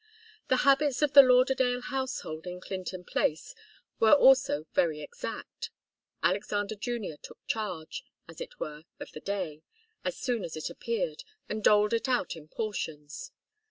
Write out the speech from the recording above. The habits of the Lauderdale household in Clinton Place were also very exact. Alexander Junior took charge, as it were, of the day, as soon as it appeared, and doled it out in portions.